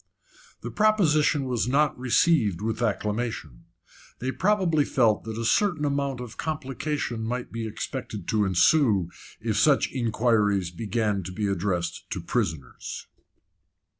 The proposition was not received with acclamation. They probably felt that a certain amount of complication might be expected to ensue if such inquiries began to be addressed to prisoners.